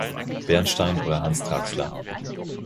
Bernstein oder Hans Traxler.